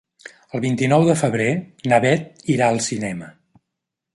El vint-i-nou de febrer na Beth irà al cinema.